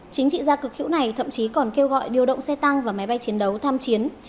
chính trị gia cực hữu này thậm chí còn kêu gọi điều động xe tăng và máy bay chiến đấu tham chiến